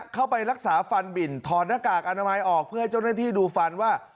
เข้าไปรักษาฟันบินถอดหน้ากากอนามัยออกเพื่อให้เจ้าหน้าที่ดูฟันว่า